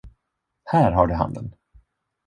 Här har du handen!